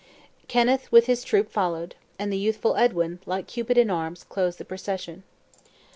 Kenneth with his troop followed; and the youthful Edwin, like Cupid in arms, closed the procession.